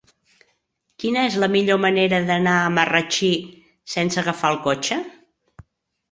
Quina és la millor manera d'anar a Marratxí sense agafar el cotxe?